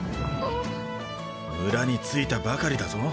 村に着いたばかりだぞ。